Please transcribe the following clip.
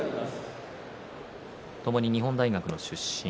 ともに日本大学の出身。